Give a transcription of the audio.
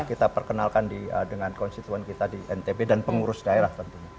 kita perkenalkan dengan konstituen kita di ntb dan pengurus daerah tentunya